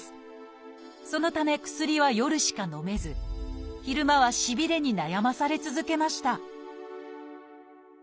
そのため薬は夜しか飲めず昼間はしびれに悩まされ続けました